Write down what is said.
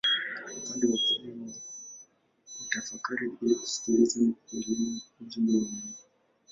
Upande wa pili sala ni kutafakari ili kusikiliza na kuelewa ujumbe wa Mungu.